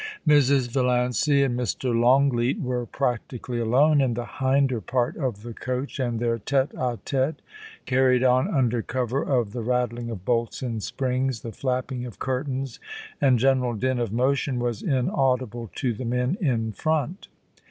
Mrs. Valiancy and Mr. Longleat were practically alone in the hinder part of the coach, and their tete h tHey carried on under cover of the rattling of bolts and springs, the flapping of curtains and general din of motion, was inaudible to the men in front.